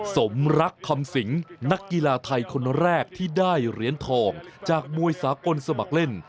สมรักคำสิงนักกีฬาไทยคนแรกที่ได้เหรียญทองจากมวยสากลสมัครเล่น